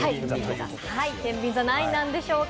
てんびん座、何位なんでしょうか。